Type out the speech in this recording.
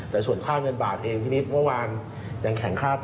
แต่ส่วนค่าเงินบาทเองพี่นิดเมื่อวานยังแข็งค่าต่อ